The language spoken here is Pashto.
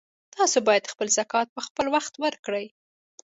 تاسو باید خپل زکات په خپلوخت ورکړئ